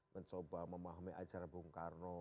mencoba memahami acara bung karno